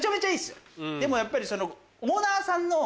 でもやっぱり。